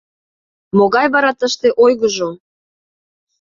— Могай вара тыште ойгыжо!